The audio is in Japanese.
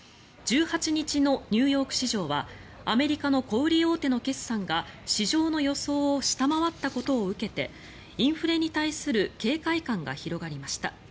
１８日のニューヨーク市場はアメリカの小売り大手の決算が市場の予想を下回ったことを受けてインフレに対する警戒感が広がりました。